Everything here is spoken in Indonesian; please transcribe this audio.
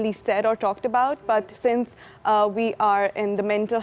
tetapi karena kita berada di bulan kesehatan mental